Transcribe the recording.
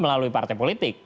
melalui partai politik